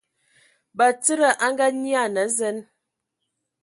Batsidi a Ngaanyian a zen.